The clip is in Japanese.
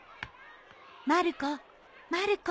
まる子まる子。